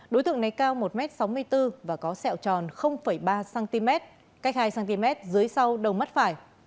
đối tượng này cao một m sáu mươi bốn và có sẹo tròn ba cm cách hai cm dưới sau đầu mắt phải